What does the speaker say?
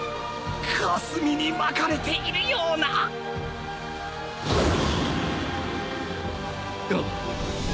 霞に巻かれているようなあっ。